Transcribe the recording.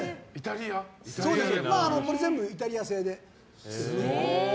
これ全部イタリア製で。